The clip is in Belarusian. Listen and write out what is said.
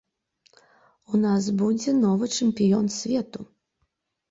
У нас будзе новы чэмпіён свету.